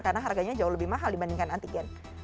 karena harganya jauh lebih mahal dibandingkan antigen